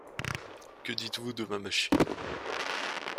Que dites-vous de ma machine ?